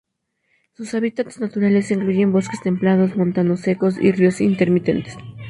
Sus hábitats naturales incluyen bosques templados, montanos secos y ríos intermitentes.